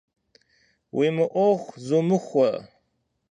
Уи мыӏуэху зумыхуэ!